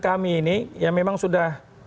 kami ini yang memang sudah